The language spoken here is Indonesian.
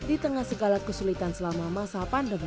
di tengah segala kesulitan selama masa pandemi